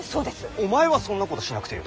お前はそんなことしなくてよい。